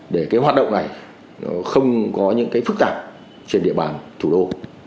để hoạt động này không có những phức tạp trên địa bàn thủ đô